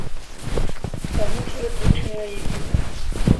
Rnu kra n wučči a Yidir.